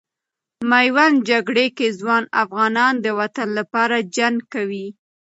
میوند جګړې کې ځوان افغانان د وطن لپاره جنګ کوي.